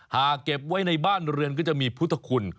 หากเก็บไว้ในบ้านเรือนก็จะมีพุทธคุณ